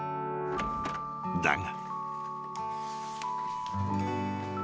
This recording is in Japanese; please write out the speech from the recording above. ［だが］